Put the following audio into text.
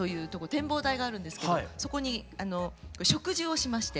展望台があるんですけどそこに植樹をしまして。